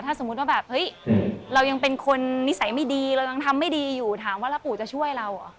ถ้าสมมุติว่าแบบเฮ้ยเรายังเป็นคนนิสัยไม่ดีเรายังทำไม่ดีอยู่ถามว่าแล้วปู่จะช่วยเราเหรอ